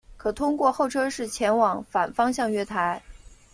可通过候车室前往反方向月台。